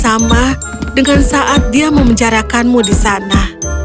sama dengan saat dia memenjarakanmu di sana